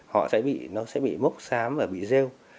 họ sẽ bị mốc sám và bị rêu